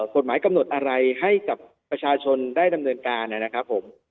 กฎหมายกำหนดอะไรให้กับประชาชนได้ดำเนินการนะครับผม